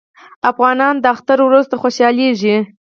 افغانان د اختر ورځو ته خوشحالیږي.